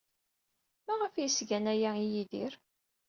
Maɣef ay as-gan aya i Yidir?